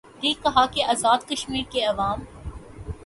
نے کہا کہ آزادکشمیر کےعوام